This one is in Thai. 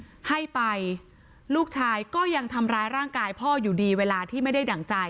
ถ้าให้ไปลูกชายก็ยังทำร้ายร่างกายพ่ออยู่ดีเวลาที่ไม่ได้ดั่งใจ